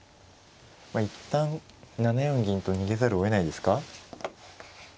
まあ一旦７四銀と逃げざるをえないですか。